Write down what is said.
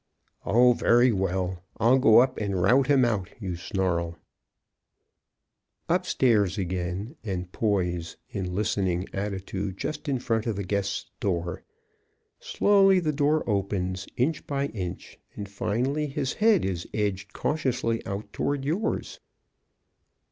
"Oh, very well, I'll go up and rout him out," you snarl. [Illustration: "'Hello. Bill,' you say flatly."] Upstairs again, and poise, in listening attitude, just in front of the guest's door. Slowly the door opens, inch by inch, and, finally his head is edged cautiously out toward yours.